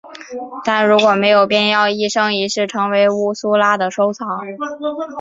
但如果没有便要一生一世成为乌苏拉的收藏。